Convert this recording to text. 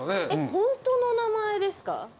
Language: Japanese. ホントのお名前ですか？